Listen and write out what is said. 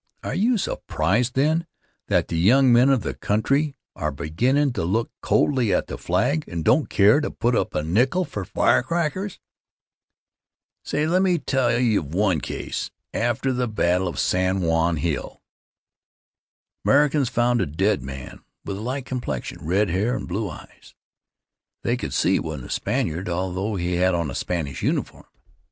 Are you surprised then that the young men of the country are beginnin' to look coldly on the flag and don't care to put up a nickel for firecrackers? 15 The Curse of Civil Service Reform Say, let me tell of one case After the battle of San Juan Hill, the Americans found a dead man with a light complexion, red hair and blue eyes. They could see he wasn't a Spaniard, although he had on a Spanish uniform.